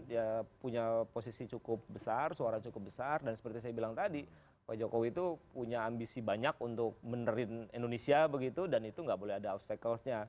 ya punya posisi cukup besar suara cukup besar dan seperti saya bilang tadi pak jokowi itu punya ambisi banyak untuk menerin indonesia begitu dan itu nggak boleh ada obstaclesnya